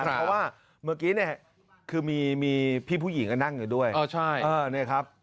เพราะว่าเมื่อกี้เนี่ยคือมีพี่ผู้หญิงก็นั่งอยู่ด้วย